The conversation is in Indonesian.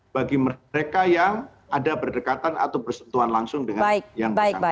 bagi mereka yang ada berdekatan atau bersentuhan langsung dengan yang bersangkutan